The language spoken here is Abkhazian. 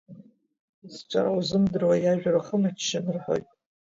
Зҿара узымдыруа, иажәра уахымыччан, — рҳәоит.